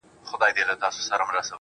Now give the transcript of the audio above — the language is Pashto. o هغه مړ له مــسته واره دى لوېـدلى.